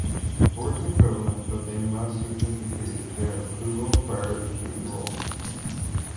Or its equivalent, but they must certificate their approval prior to enroll.